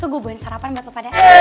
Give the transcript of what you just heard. tuh gue buat sarapan buat lo pada